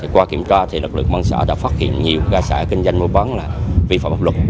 qua kiểm tra thì lực lượng bàn xã đã phát hiện nhiều cơ sở kinh doanh mua bán là vi phạm hợp lực